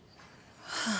はあ。